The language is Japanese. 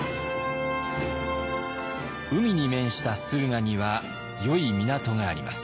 海に面した駿河にはよい港があります。